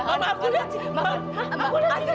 mama aku lihat